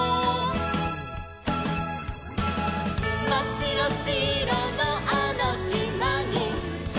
「まっしろしろのあのしまに」